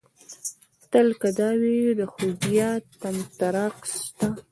تل که دا وي د خوبيه طمطراق ستا